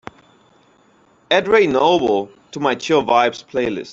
Add Ray Noble to my Chill Vibes playlist.